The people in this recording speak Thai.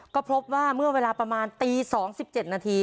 ก็พบว่าเมื่อเวลาประมาณตีสองสิบเจ็ดนาที